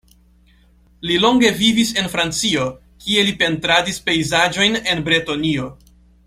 Li longe vivis en Francio, kie li pentradis pejzaĝojn en Bretonio.